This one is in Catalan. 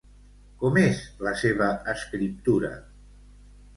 Com és la seva escriptura?